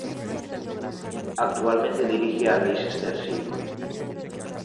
Actualmente dirige al Leicester City.